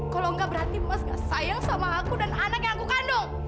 kalau enggak berarti mas sayang sama aku dan anak yang aku kandung